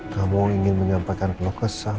kamu ingin menyampaikan ke lo kesah